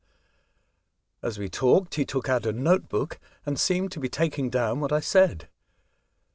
As we talked, he took out a note book, and seemed to be taking down what I said.